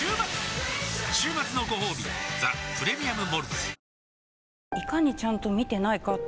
週末のごほうび「ザ・プレミアム・モルツ」